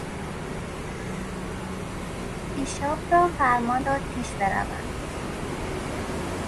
ایشابرا فرمان داد پیش بروند